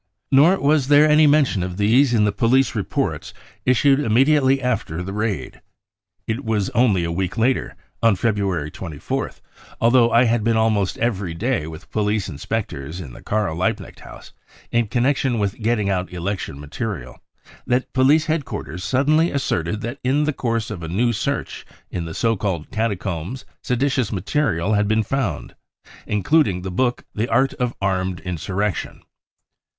Nor was there any mention of these in the police reports issued immediately after the raid. It was only a week later, on February 24th, although I had been almost every day with police inspectors in the Karl Liebknecht House in connection with getting out election material, that police head quarters suddenly asserted that in the course of a new search in the so called catacombs seditious material had been found, including the book The Art of Armed Insurrection